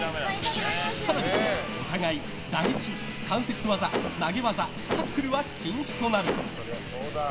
更にお互い打撃、関節技、投げ技タックルは禁止となる。